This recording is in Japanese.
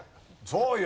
そうよ。